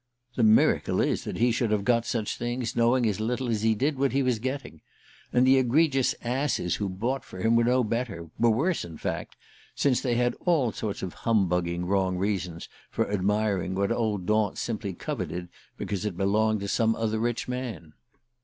"The miracle is that he should have got such things, knowing as little as he did what he was getting. And the egregious asses who bought for him were no better, were worse in fact, since they had all sorts of humbugging wrong reasons for admiring what old Daunt simply coveted because it belonged to some other rich man."